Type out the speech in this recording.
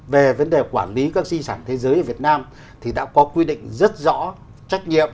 về vấn đề quản lý các di sản thế giới ở việt nam thì đã có quy định rất rõ trách nhiệm